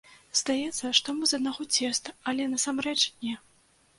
Здаецца, што мы з аднаго цеста, але насамрэч не.